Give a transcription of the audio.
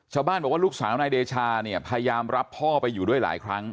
ชาวบ้านบอกว่าลูกสาวนายเดชาเนี่ยพยายามรับพ่อไปอยู่ด้วยหลายครั้ง